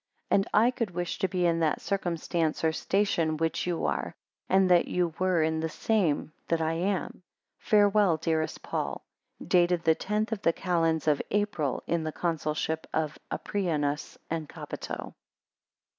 5 And I could wish to be in that circumstance or station which you are, and that you were in the same that I am. Farewell, dearest Paul. Dated the tenth of the calends of April, in the Consulship of Aprianus and Capito.